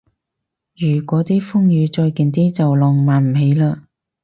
如嗰啲風雨再勁啲就浪漫唔起嘞